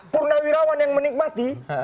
purnawirawan yang menikmati